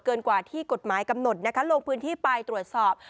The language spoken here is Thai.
กว่าที่กฎหมายกำหนดนะคะลงพื้นที่ไปตรวจสอบ